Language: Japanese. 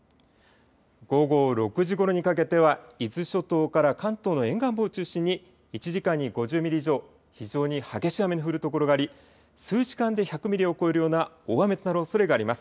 午後６時ごろにかけては伊豆諸島から関東の沿岸部を中心に１時間に５０ミリ以上、非常に激しい雨の降る所があり数時間で１００ミリを超えるような大雨となるおそれがあります。